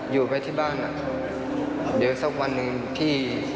อยู่ไปที่บ้านเดี๋ยวสักวันหนึ่งที่